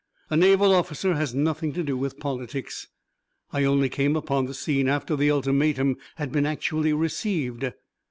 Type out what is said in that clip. A naval officer has nothing to do with politics. I only came upon the scene after the ultimatum had been actually received.